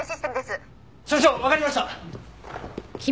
所長わかりました！